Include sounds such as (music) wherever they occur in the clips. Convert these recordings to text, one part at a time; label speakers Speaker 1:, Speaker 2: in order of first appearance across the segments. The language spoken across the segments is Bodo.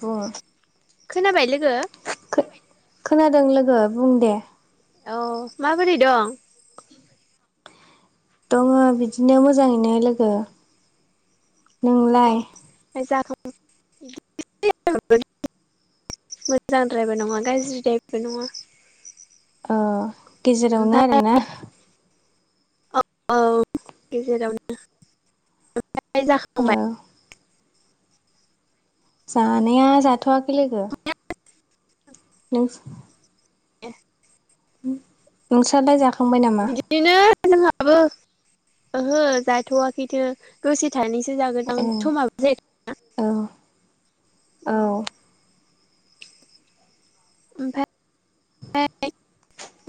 Speaker 1: बुङो
Speaker 2: खोनाबाय लोगो?
Speaker 1: खोनादों लोगो बुं दे।
Speaker 2: औ माबोरै दं?
Speaker 1: दङ बिदिनो मोजाङैनो लोगो।
Speaker 2: अ
Speaker 1: नोंलाय
Speaker 2: (unintelligible) मोजांद्रायबो नङा गाज्रि द्रायबो नङा।
Speaker 1: अ गेजेरावनो आरो
Speaker 2: ओमफ्राय
Speaker 1: ना?
Speaker 2: औ औ गेजेरावनो ओमफ्राय
Speaker 1: ओ
Speaker 2: जाखांबाय?
Speaker 1: जानाया जाथ'वाखै लोगो। (unintelligible)
Speaker 2: ए
Speaker 1: नोंस्रालाय जाखांबाय नामा?
Speaker 2: बिदिनो जोंहाबो ओहो जाथ'वाखैथो। दसे थानैसो जागोन
Speaker 1: ए
Speaker 2: आं
Speaker 1: औ औ
Speaker 2: (unintelligible) ओमफ्राय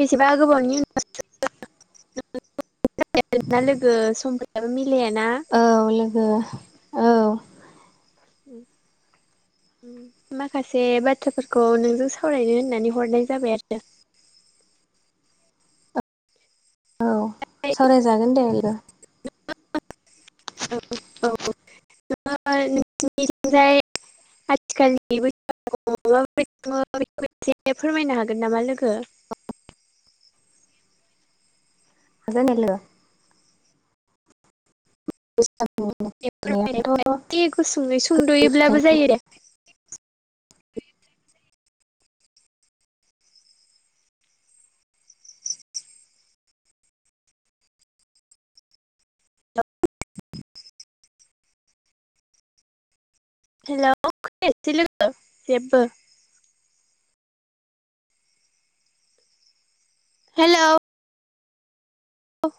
Speaker 2: बेसेबा गोबावनि उनाव (unintelligible) (unintelligible) ना लोगो समफोराबो मिलायाना?
Speaker 1: औ लोगो औ
Speaker 2: उम उम माखासे बाथ्राफोरखौ नोंजों सावरायनो होननानै हरनाय जाबाय आरो।
Speaker 1: औ सावरायजागोन दे लोगो।
Speaker 2: (unintelligible) औ औ (unintelligible) आथिखालनि बैसागुखौ माबायदि खुङो बेखौ एसे फोरमायनो हागोन नामा लोगो?
Speaker 1: हागोन दे लोगो।
Speaker 2: ए
Speaker 1: बैसागु
Speaker 2: फोरमायनाय एसे
Speaker 1: फालिनायाथ'
Speaker 2: गुसुङै सुंद'योब्लाबो
Speaker 1: गोदोनिफ्रायनो
Speaker 2: जायो दे हेल' खोनायासै लोगो जेब्बो। हेलौ? औ